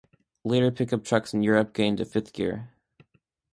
Later pickup trucks in Europe gained a fifth gear.